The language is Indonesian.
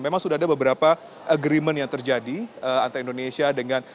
memang sudah ada beberapa agreement yang terjadi antara indonesia dengan